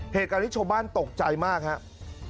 เหตุการณ์นี้ชาวบ้านตกใจมากครับ